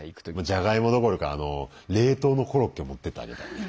じゃがいもどころか冷凍のコロッケ持ってってあげたいね。